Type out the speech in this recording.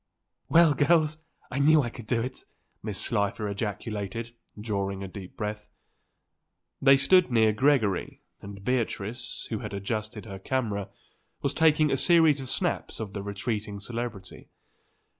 "Well, girls, I knew I could do it!" Mrs. Slifer ejaculated, drawing a deep breath. They stood near Gregory, and Beatrice, who had adjusted her camera, was taking a series of snaps of the retreating celebrity.